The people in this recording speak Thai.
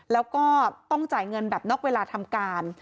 แล้วก็ต้องจ่ายเงินแบบนอกเวลาทำการ